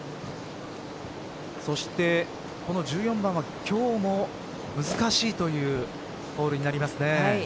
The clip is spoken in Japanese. そして１４番は今日も難しいというホールになります。